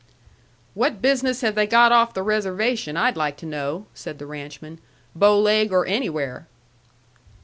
"What business have they got off the reservation, I'd like to know," said the ranchman, "Bow Leg, or anywhere?"